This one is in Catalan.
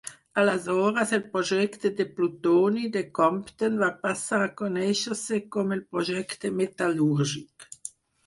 Aleshores, el projecte de plutoni de Compton va passar a conèixer-se com el Projecte Metal·lúrgic.